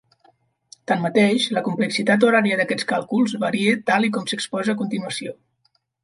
Tanmateix, la complexitat horària d'aquests càlculs varia tal i com s'exposa a continuació.